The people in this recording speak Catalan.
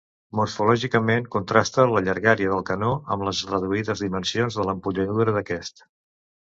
Morfològicament contrasta la llargària del canó amb les reduïdes dimensions de l'empunyadura d'aquest.